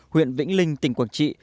huyện vĩnh linh tỉnh quảng trị